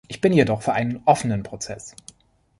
Ich bin jedoch für einen offenen Prozess.